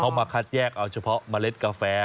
เขามาคัดแยกเอาเฉพาะเมล็ดกาแฟ